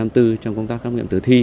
trong công tác khám nghiệm tử thi